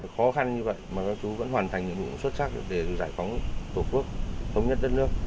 khó khăn như vậy mà chúng vẫn hoàn thành những vụ xuất sắc để giải phóng tổ quốc thống nhất đất nước